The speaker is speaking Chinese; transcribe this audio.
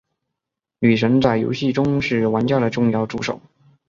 女神在游戏中是玩家的重要助手。